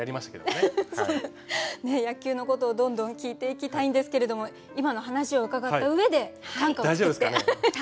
ねえ野球のことをどんどん聞いていきたいんですけれども今の話を伺った上で短歌を作っていきたいと思います。